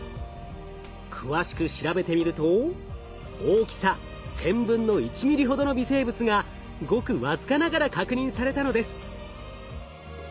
詳しく調べてみると大きさ１，０００分の１ミリほどの微生物がごく僅かながら確認されたのです。